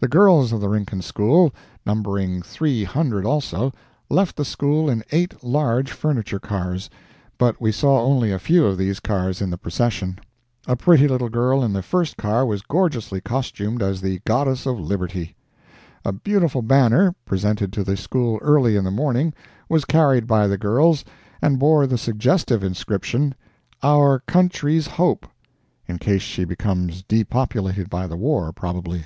The girls of the Rincon School, numbering three hundred also, left the School in eight large furniture cars, but we saw only a few of these cars in the Procession. A pretty little girl in the first car was gorgeously costumed as the Goddess of Liberty. A beautiful banner, presented to the School early in the morning, was carried by the girls, and bore the suggestive inscription, "Our Country's Hope," (in case she becomes depopulated by the war, probably.)